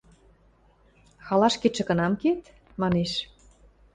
– Халашкетшӹ кынам кеет? – манеш.